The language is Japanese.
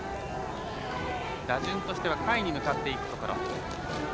打順としては下位に向かっていくところ。